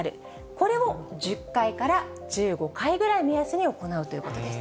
これを１０回から１５回ぐらいを目安に行うということです。